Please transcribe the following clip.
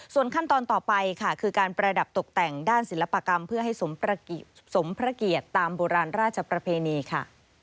ส่วนขั้นตอนต่อไปค่ะคือการประดับตกแต่งด้านศิลปกรรมเพื่อให้สมพระเกียรติตามโบราณราชประเพณีค่ะ